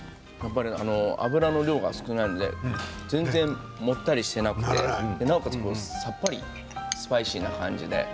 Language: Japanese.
油の量が少ないので全然もったりしていなくてなおかつ、さっぱりスパイシーな感じで。